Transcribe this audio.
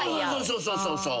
そうそうそうそう。